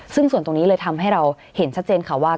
ซึ่งส่วนตรงนี้เลยทำให้เราเห็นชัดเจนค่ะว่า